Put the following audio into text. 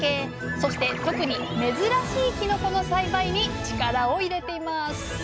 そして特に珍しいきのこの栽培に力を入れています